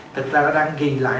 thật ra nó đang ghi lại